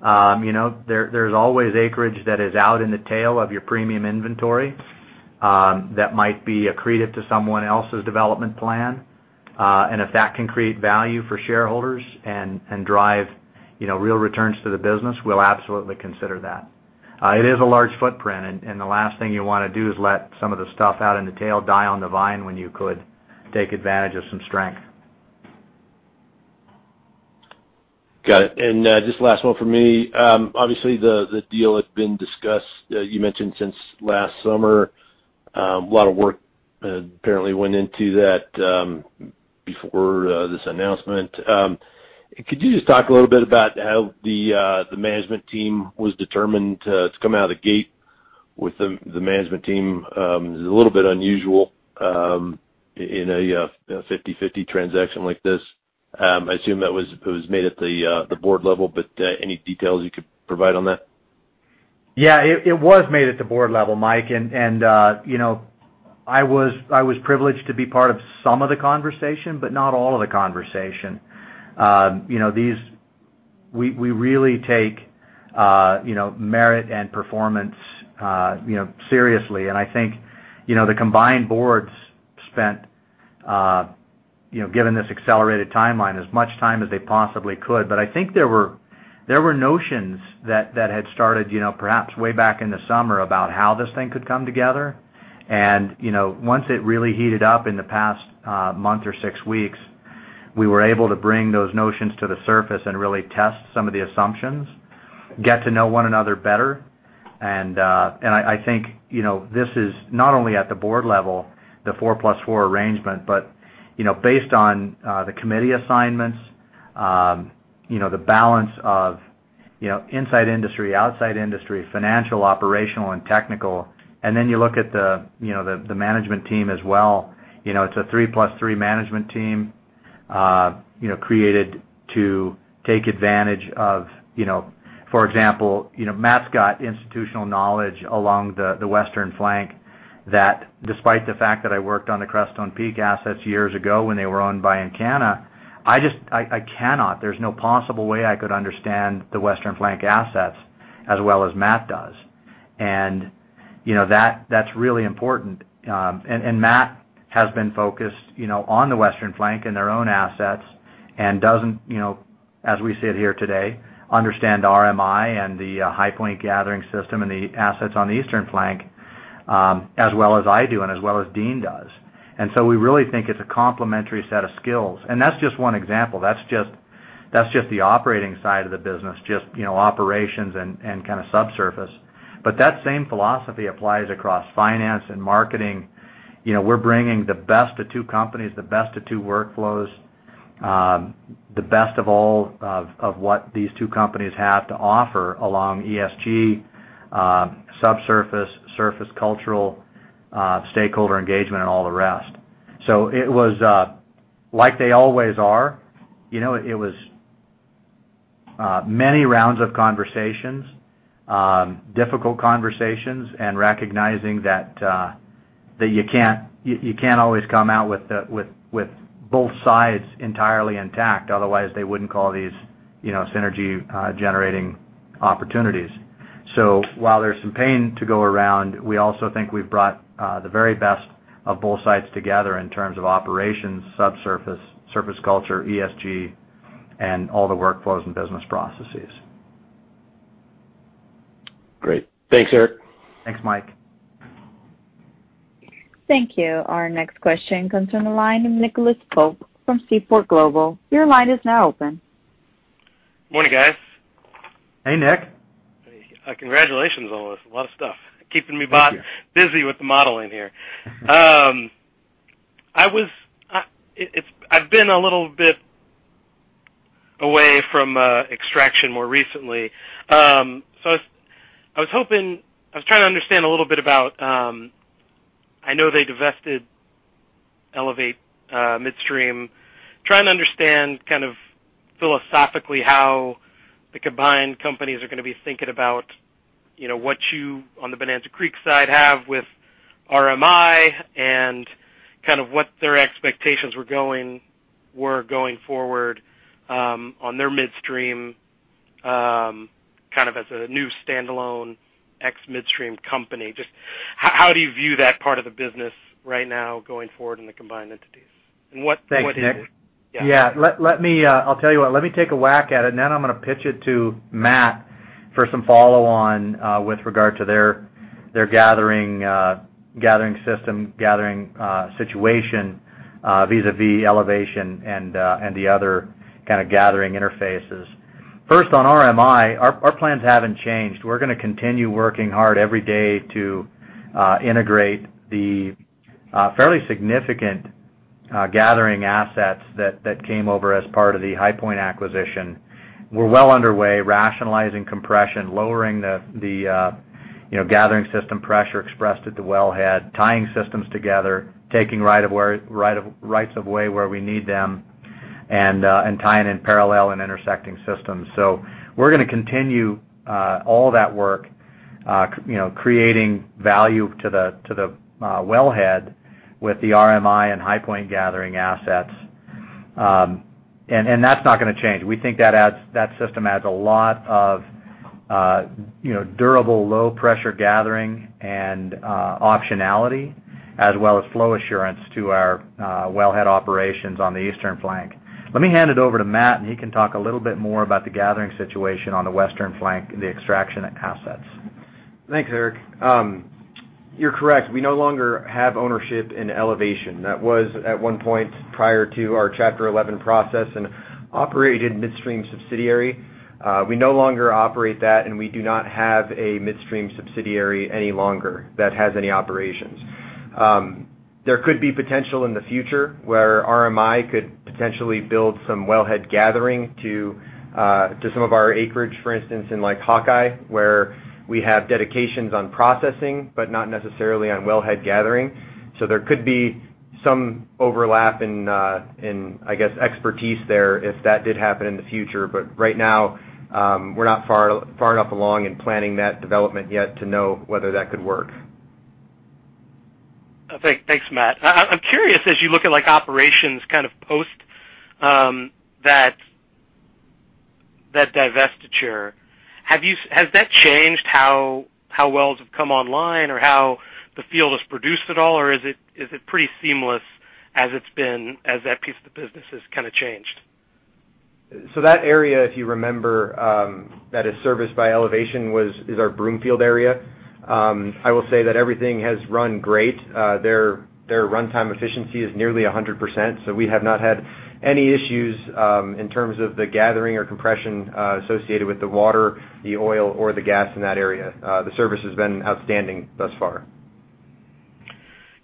There's always acreage that is out in the tail of your premium inventory, that might be accretive to someone else's development plan. If that can create value for shareholders and drive real returns to the business, we'll absolutely consider that. It is a large footprint, and the last thing you want to do is let some of the stuff out in the tail die on the vine when you could take advantage of some strength. Got it. Just last one from me. Obviously, the deal had been discussed, you mentioned since last summer. A lot of work apparently went into that before this announcement. Could you just talk a little bit about how the management team was determined to come out of the gate with the management team? It's a little bit unusual in a 50/50 transaction like this. I assume that was made at the board level, any details you could provide on that? Yeah, it was made at the board level, Mike, and you know, I was privileged to be part of some of the conversation, but not all of the conversation. We really take merit and performance seriously, and I think, the combined boards spent given this accelerated timeline, as much time as they possibly could. I think there were notions that had started perhaps way back in the summer about how this thing could come together. Once it really heated up in the past month or six weeks, we were able to bring those notions to the surface and really test some of the assumptions, get to know one another better. I think this is not only at the board level, the four plus four arrangement, but based on the committee assignments, the balance of inside industry, outside industry, financial, operational, and technical. Then you look at the management team as well. It's a three plus three management team, created to take advantage of, for example, Matt got institutional knowledge along the western flank that despite the fact that I worked on the Crestone Peak Resources assets years ago when they were owned by Encana, I cannot, there's no possible way I could understand the western flank assets as well as Matt does. That's really important. Matt has been focused on the western flank and their own assets and doesn't, as we sit here today, understand RMI and the HighPoint Resources gathering system and the assets on the eastern flank, as well as I do and as well as Dean does. We really think it's a complementary set of skills. That's just one example. That's just the operating side of the business, just operations and subsurface. That same philosophy applies across finance and marketing. We're bringing the best of two companies, the best of two workflows, the best of all of what these two companies have to offer along ESG, subsurface, surface cultural, stakeholder engagement, and all the rest. It was like they always are. It was many rounds of conversations, difficult conversations, and recognizing that you can't always come out with both sides entirely intact. Otherwise, they wouldn't call these synergy generating opportunities. While there's some pain to go around, we also think we've brought the very best of both sides together in terms of operations, subsurface, surface culture, ESG, and all the workflows and business processes. Great. Thanks, Eric. Thanks, Mike. Thank you. Our next question comes from the line of Nicholas Pope from Seaport Global. Morning, guys. Hey, Nicholas. Hey. Congratulations on this. A lot of stuff. Keeping me busy with the modeling here. Thank you. I've been a little bit away from Extraction more recently. But I was trying to understand a little bit about I know they divested Elevation Midstream. Trying to understand kind of philosophically how the combined companies are going to be thinking about what you, on the Bonanza Creek side, have with RMI and kind of what their expectations were going forward on their midstream, kind of as a new standalone ex-midstream company. Just how do you view that part of the business right now going forward in the combined entities? Thanks, Nic. Yeah. Yeah. I'll tell you what. Let me take a whack at it. Then I'm going to pitch it to Matt for some follow-on with regard to their gathering system, gathering situation vis-a-vis Elevation and the other kind of gathering interfaces. First, on RMI, our plans haven't changed. We're going to continue working hard every day to integrate the fairly significant gathering assets that came over as part of the HighPoint acquisition. We're well underway rationalizing compression, lowering the gathering system pressure expressed at the wellhead, tying systems together, taking rights of way where we need them, and tying in parallel and intersecting systems. So, we're going to continue all that work creating value to the wellhead with the RMI and HighPoint gathering assets. That's not going to change. We think that system adds a lot of durable low-pressure gathering and optionality, as well as flow assurance to our wellhead operations on the eastern flank. Let me hand it over to Matt, and he can talk a little bit more about the gathering situation on the western flank and the Extraction assets. Thanks, Eric. You're correct. We no longer have ownership in Elevation. That was, at one point prior to our Chapter 11 process, an operated midstream subsidiary. We no longer operate that, and we do not have a midstream subsidiary any longer that has any operations. There could be potential in the future where RMI could potentially build some wellhead gathering to some of our acreage, for instance, in Hawkeye, where we have dedications on processing but not necessarily on wellhead gathering. So there could be some overlap in, I guess, expertise there if that did happen in the future. But right now, we're not far enough along in planning that development yet to know whether that could work. Thanks, Matt. I'm curious, as you look at operations kind of post that divestiture, has that changed how wells have come online or how the field has produced at all? Is it pretty seamless as that piece of the business has kind of changed? That area, if you remember, that is serviced by Elevation is our Broomfield area. I will say that everything has run great. Their runtime efficiency is nearly 100%, so we have not had any issues in terms of the gathering or compression associated with the water, the oil, or the gas in that area. The service has been outstanding thus far.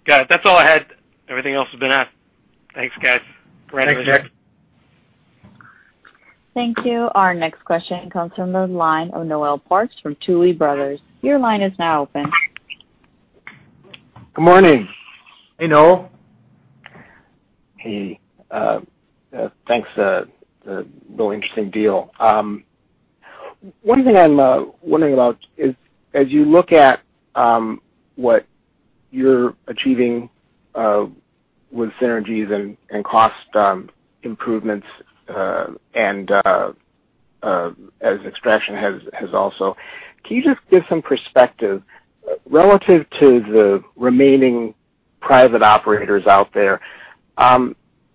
Got it. That's all I had. Everything else has been asked. Thanks, guys. Thanks, Nic. Thank you. Our next question comes from the line of Noel Parks from Tuohy Brothers. Your line is now open. Good morning. Hey, Noel. Hey. Thanks. Really interesting deal. One thing I'm wondering about is, as you look at what you're achieving with synergies and cost improvements, and as Extraction has also, can you just give some perspective relative to the remaining private operators out there?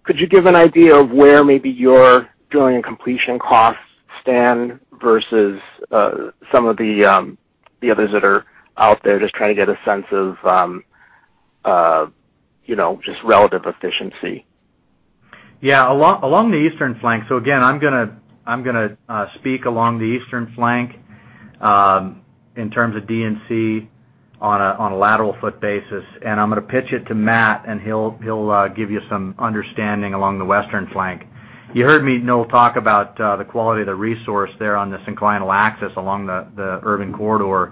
Could you give an idea of where maybe your drilling and completion costs stand versus some of the others that are out there? Just trying to get a sense of just relative efficiency. Yeah. Along the eastern flank. Again, I'm going to speak along the eastern flank in terms of D&C on a lateral foot basis, and I'm going to pitch it to Matt, and he'll give you some understanding along the western flank. You heard me, Noel, talk about the quality of the resource there on the synclinal axis along the Urban Corridor.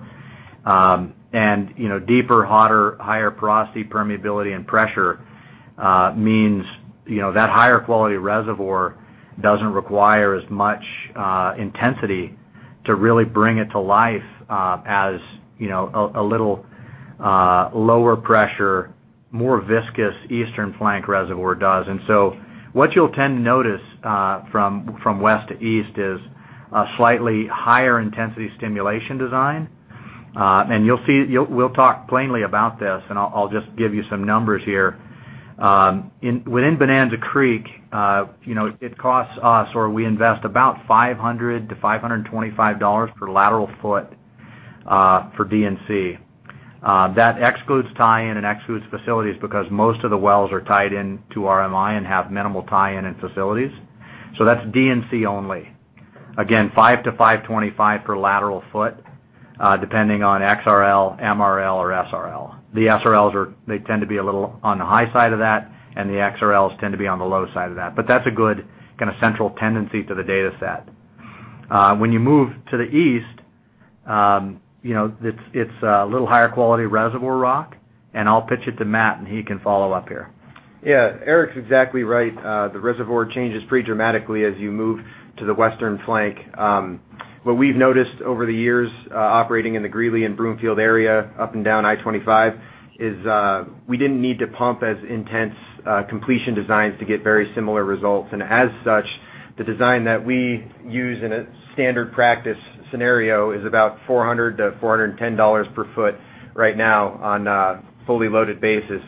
Deeper, hotter, higher porosity, permeability, and pressure means that higher quality reservoir doesn't require as much intensity to really bring it to life as a little lower pressure, more viscous eastern flank reservoir does. So what you'll tend to notice from west to east is a slightly higher intensity stimulation design. You'll see, we'll talk plainly about this, and I'll just give you some numbers here. Within Bonanza Creek, it costs us, or we invest about $500-$525 per lateral foot for D&C. That excludes tie-in and excludes facilities because most of the wells are tied into RMI and have minimal tie-in in facilities. That's D&C only. Again, $500-$525 per lateral foot, depending on XRL, MRL, or SRL. The SRLs tend to be a little on the high side of that, and the XRLs tend to be on the low side of that. That's a good central tendency to the data set. When you move to the east, it's a little higher quality reservoir rock, and I'll pitch it to Matt, and he can follow up here. Yeah. Eric's exactly right. The reservoir changes pretty dramatically as you move to the western flank. What we've noticed over the years operating in the Greeley and Broomfield area up and down I-25 is we didn't need to pump as intense completion designs to get very similar results. As such, the design that we use in a standard practice scenario is about $400-$410 per foot right now on a fully loaded basis.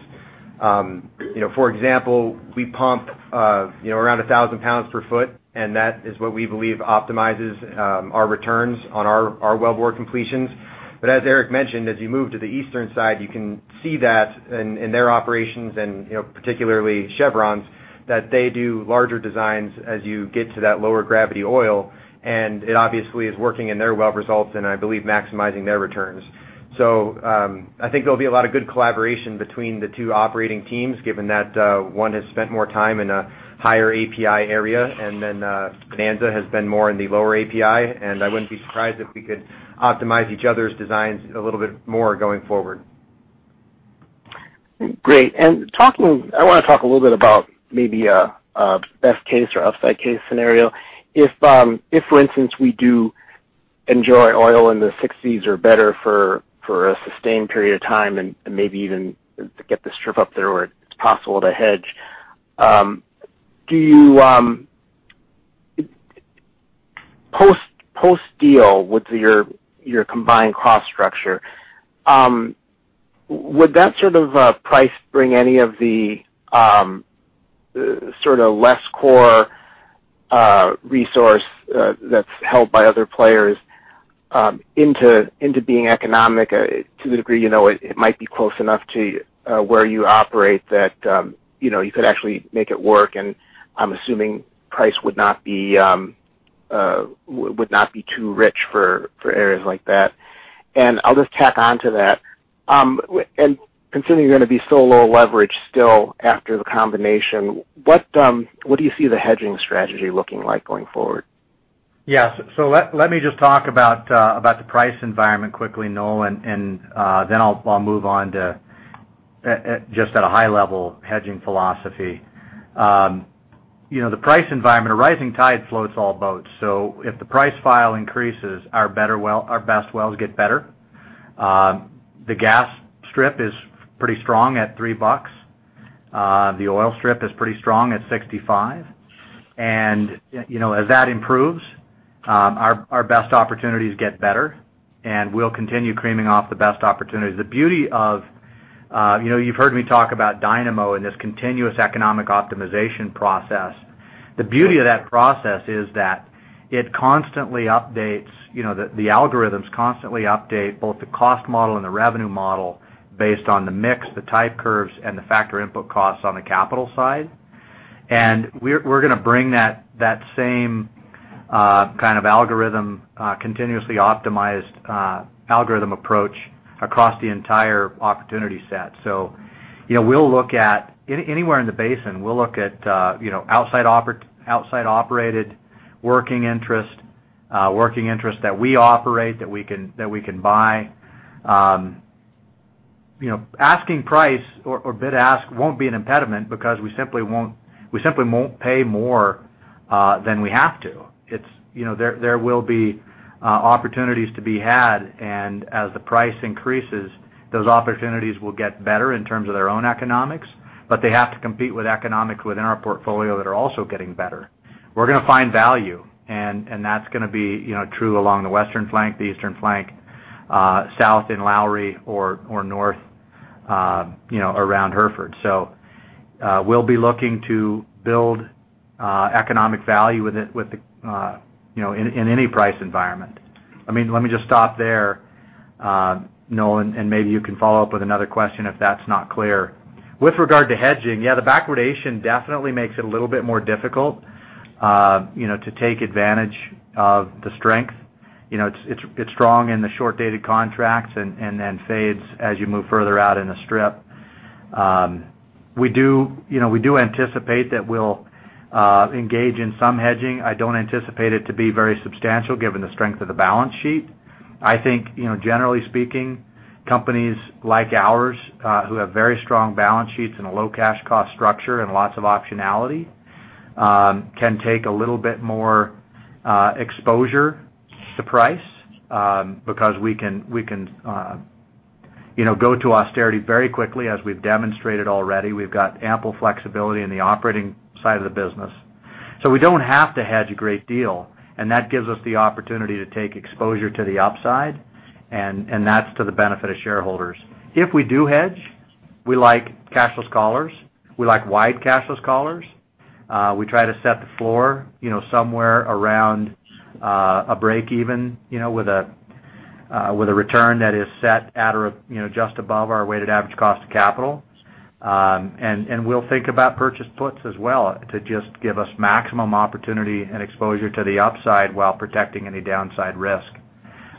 For example, we pump around 1,000 pounds per foot, and that is what we believe optimizes our returns on our wellbore completions. As Eric mentioned, as you move to the eastern side, you can see that in their operations and particularly Chevron's, that they do larger designs as you get to that lower gravity oil. It obviously is working in their well results, and I believe maximizing their returns. So, I think there'll be a lot of good collaboration between the two operating teams, given that one has spent more time in a higher API area, and then Bonanza has been more in the lower API, and I wouldn't be surprised if we could optimize each other's designs a little bit more going forward. Great. I want to talk a little bit about maybe a best case or upside case scenario. If, for instance, we do enjoy oil in the 60s or better for a sustained period of time and maybe even get the strip up there where it's possible to hedge. Post deal with your combined cost structure, would that sort of price bring any of the less core resource that's held by other players into being economic to the degree it might be close enough to where you operate that you could actually make it work, and I'm assuming price would not be too rich for areas like that. I'll just tack onto that. Considering you're going to be so low leverage still after the combination, what do you see the hedging strategy looking like going forward? Yes. Let me just talk about the price environment quickly, Noel, and then I'll move on to, just at a high level, hedging philosophy. The price environment, a rising tide floats all boats. If the price file increases, our best wells get better. The gas strip is pretty strong at $3. The oil strip is pretty strong at $65. As that improves, our best opportunities get better, and we'll continue creaming off the best opportunities. You've heard me talk about Dynamo and this continuous economic optimization process. The beauty of that process is that the algorithms constantly update both the cost model and the revenue model based on the mix, the type curves, and the factor input costs on the capital side. We're going to bring that same continuously optimized algorithm approach across the entire opportunity set. Anywhere in the basin, we'll look at outside operated working interest, working interest that we operate, that we can buy. Asking price or bid ask won't be an impediment because we simply won't pay more than we have to. There will be opportunities to be had, and as the price increases, those opportunities will get better in terms of their own economics, but they have to compete with economics within our portfolio that are also getting better. We're going to find value, and that's going to be true along the western flank, the eastern flank, south in Lowry or north around Hereford. We'll be looking to build economic value in any price environment. Let me just stop there, Noel, and maybe you can follow up with another question if that's not clear. With regard to hedging, yeah, the backwardation definitely makes it a little bit more difficult to take advantage of the strength. It's strong in the short-dated contracts and then fades as you move further out in the strip. We do anticipate that we'll engage in some hedging. I don't anticipate it to be very substantial given the strength of the balance sheet. I think, generally speaking, companies like ours who have very strong balance sheets and a low cash cost structure and lots of optionality can take a little bit more exposure to price because we can go to austerity very quickly as we've demonstrated already. We've got ample flexibility in the operating side of the business. We don't have to hedge a great deal, and that gives us the opportunity to take exposure to the upside, and that's to the benefit of shareholders. If we do hedge, we like cashless collars. We like wide cashless collars. We try to set the floor somewhere around a break even, with a return that is set at or just above our weighted average cost of capital. Then, we'll think about purchase puts as well to just give us maximum opportunity and exposure to the upside while protecting any downside risk.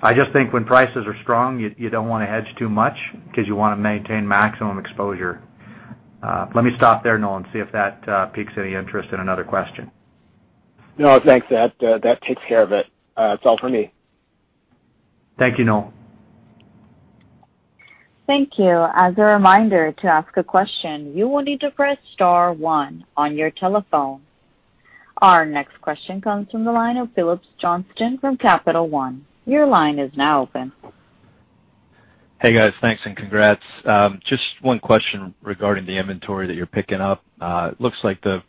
I just think when prices are strong, you don't want to hedge too much because you want to maintain maximum exposure. Let me stop there, Noel, and see if that piques any interest in another question. No, thanks. That takes care of it. That's all for me. Thank you, Noel. Thank you. As a reminder, to ask a question, you will need to press star one on your telephone. Our next question comes from the line of Phillips Johnston from Capital One. Your line is now open. Hey, guys. Thanks and congrats. Just one question regarding the inventory that you're picking up. Looks like the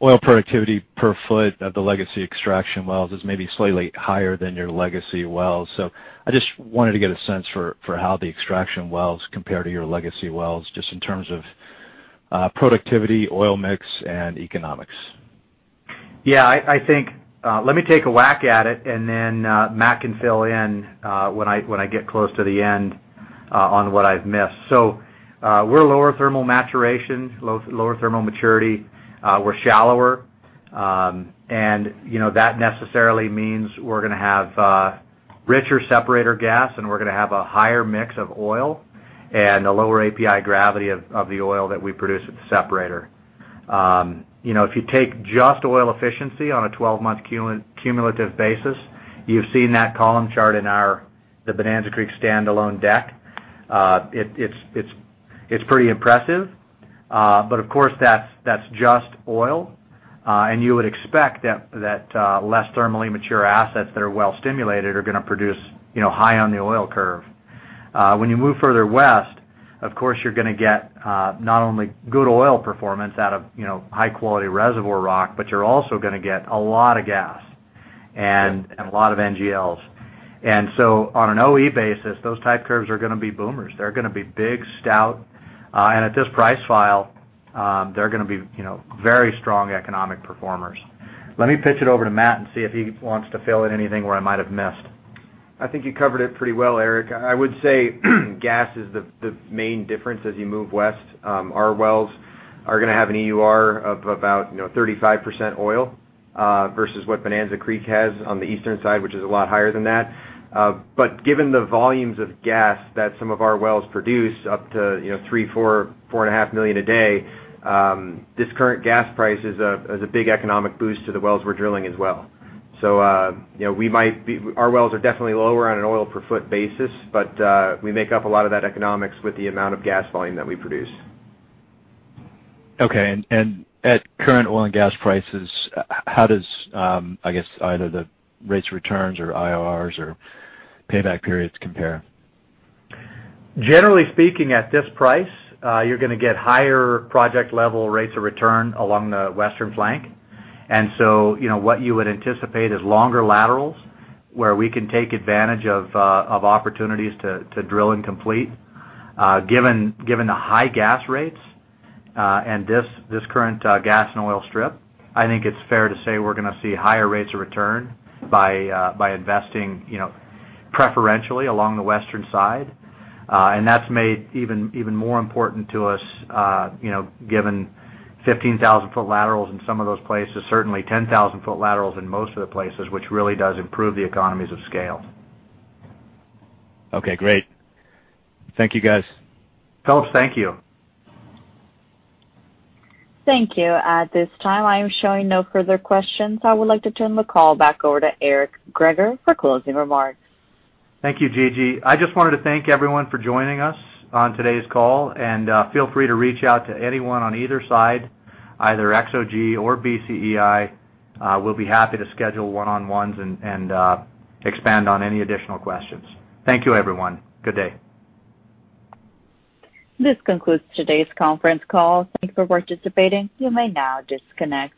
oil productivity per foot of the legacy Extraction wells is maybe slightly higher than your legacy wells. I just wanted to get a sense for how the Extraction wells compare to your legacy wells, just in terms of productivity, oil mix, and economics. Yeah, let me take a whack at it and then Matt can fill in when I get close to the end on what I've missed. So, we're lower thermal maturation, lower thermal maturity. We're shallower. That necessarily means we're going to have richer separator gas, and we're going to have a higher mix of oil and a lower API gravity of the oil that we produce at the separator. If you take just oil efficiency on a 12-month cumulative basis, you've seen that column chart in the Bonanza Creek standalone deck. It's pretty impressive. Of course, that's just oil. You would expect that less thermally mature assets that are well stimulated are going to produce high on the oil curve. When you move further west, of course, you're going to get not only good oil performance out of high-quality reservoir rock, but you're also going to get a lot of gas and a lot of NGLs. So, on an OE basis, those type curves are going to be boomers. They're going to be big, stout. At this price file, they're going to be very strong economic performers. Let me pitch it over to Matt and see if he wants to fill in anything where I might have missed. I think you covered it pretty well, Eric. I would say gas is the main difference as you move west. Our wells are going to have an EUR of about 35% oil, versus what Bonanza Creek has on the eastern side, which is a lot higher than that. Given the volumes of gas that some of our wells produce up to $3 million, $4 million-$4.5 million a day, this current gas price is a big economic boost to the wells we're drilling as well. So, our wells are definitely lower on an oil per foot basis, but we make up a lot of that economics with the amount of gas volume that we produce. Okay. At current oil and gas prices, how does either the rates, returns or IRRs or payback periods compare? Generally speaking, at this price, you're going to get higher project-level rates of return along the western flank. So, what you would anticipate is longer laterals where we can take advantage of opportunities to drill and complete. Given the high gas rates, and this current gas and oil strip, I think it's fair to say we're going to see higher rates of return by investing preferentially along the western side. That's made even more important to us given 15,000-foot laterals in some of those places, certainly 10,000-foot laterals in most of the places, which really does improve the economies of scale. Okay, great. Thank you, guys. Phill, thank you. Thank you. At this time, I am showing no further questions. I would like to turn the call back over to Eric Greager for closing remarks. Thank you, Gigi. I just wanted to thank everyone for joining us on today's call, and feel free to reach out to anyone on either side, either XOG or BCEI. We'll be happy to schedule one-on-ones and expand on any additional questions. Thank you, everyone. Good day. This concludes today's conference call. Thank you for participating. You may now disconnect.